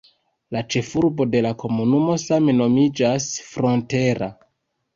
La ĉefurbo de la komunumo same nomiĝas "Frontera".